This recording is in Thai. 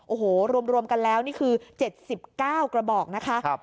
โอ้โหรวมกันแล้วนี่คือ๗๙กระบอกนะคะ